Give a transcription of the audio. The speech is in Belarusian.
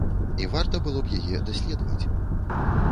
І варта было б яе даследаваць.